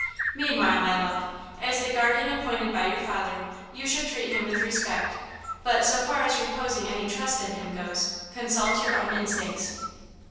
Meanwhile, my love, as the guardian appointed by your father, you should treat him with respect; but, so far as reposing any trust in him goes, consult your own instincts."